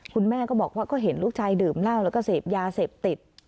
คุณแม่ก็บอกว่าก็เห็นลูกชายดื่มเหล้าแล้วก็เสพยาเสพติด